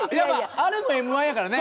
あれもＭ−１やからね。